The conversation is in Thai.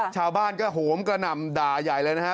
ชาวบ้านก็โหมกระหน่ำด่าใหญ่เลยนะฮะ